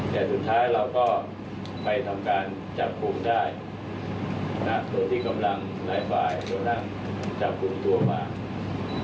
แต่สุดท้ายเราก็ไปทำการจับคุมได้ตัวที่กำลังไหลฝ่ายตัวนั่งจับคุมตัวมา